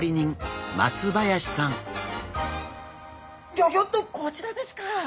ギョギョッとこちらですか！